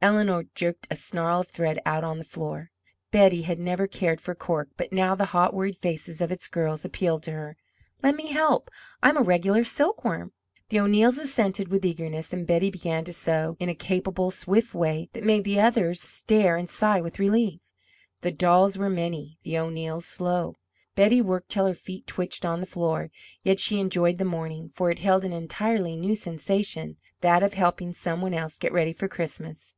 Eleanor jerked a snarl of thread out on the floor. Betty had never cared for "Cork" but now the hot worried faces of its girls appealed to her. "Let me help. I'm a regular silkworm." The O'Neills assented with eagerness, and Betty began to sew in a capable, swift way that made the others stare and sigh with relief. The dolls were many, the O'Neills slow. Betty worked till her feet twitched on the floor; yet she enjoyed the morning, for it held an entirely new sensation, that of helping some one else get ready for Christmas.